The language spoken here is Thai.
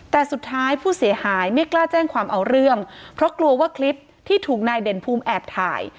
แต่สุดท้ายผู้เสียหายไม่กล้าแจ้งความเอาเรื่องเพราะกลัวว่าคลิปที่ถูกนายเด่นภูมิแอบถ่าย